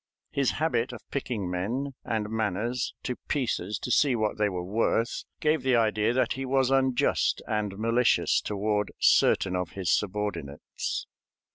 His habit of picking men and manners to pieces to see what they were worth gave the idea that he was unjust and malicious toward certain of his subordinates.